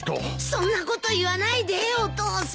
そんなこと言わないでお父さん。